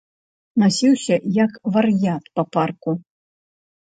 Насіўся, як вар'ят, па парку.